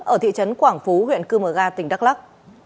ở thị trấn quảng phú huyện cư mờ ga tỉnh đắk lắc